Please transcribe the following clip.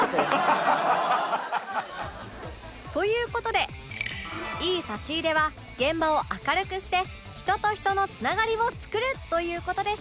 という事でいい差し入れは現場を明るくして人と人のつながりを作るという事でしたが